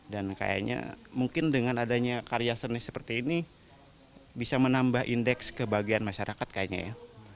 dan kayaknya mungkin dengan adanya karya seni seperti ini bisa menambah indeks kebagian masyarakat kayaknya ya